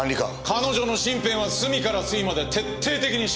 彼女の身辺は隅から隅まで徹底的に調べろ。